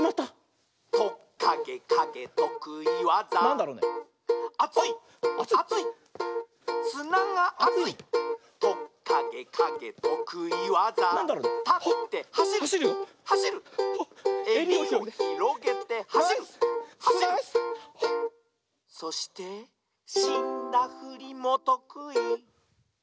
「トッカゲカゲとくいわざ」「アツいっアツいっすながあつい」「トッカゲカゲとくいわざ」「たってはしるはしる」「えりをひろげてはしるはしる」「そしてしんだふりもとくい」